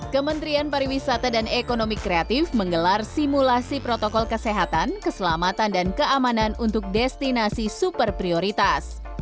kementerian pariwisata dan ekonomi kreatif menggelar simulasi protokol kesehatan keselamatan dan keamanan untuk destinasi super prioritas